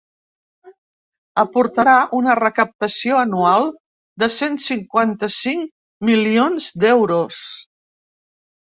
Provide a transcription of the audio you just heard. Aportarà una recaptació anual de cent cinquanta-cinc milions d’euros.